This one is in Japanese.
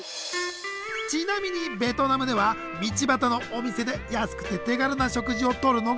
ちなみにベトナムでは道端のお店で安くて手軽な食事をとるのが当たり前。